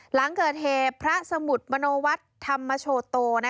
หลังเกิดเหตุพระสมุทรมโนวัฒน์ธรรมโชโต